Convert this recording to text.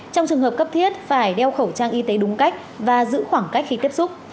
trong trường hợp cấp thiết phải đeo khẩu trang y tế đúng cách và giữ khoảng cách khi tiếp xúc